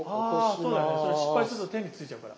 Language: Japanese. そうだね失敗すると手についちゃうから。